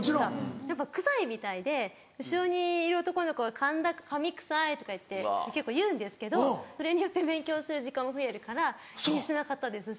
やっぱ臭いみたいで後ろにいる男の子が「神田髪臭い」とかいって結構言うんですけどそれによって勉強する時間も増えるから気にしなかったですし。